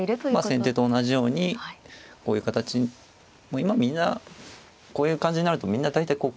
先手と同じようにこういう形もう今みんなこういう感じになるとみんな大体こう組むんですけど。